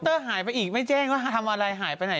เตอร์หายไปอีกไม่แจ้งว่าทำอะไรหายไปไหน